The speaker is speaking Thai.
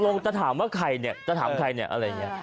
จะถามว่าใครเนี่ยจะถามใครเนี่ยอะไรอย่างนี้